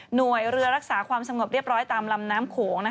เรือรักษาความสงบเรียบร้อยตามลำน้ำโขง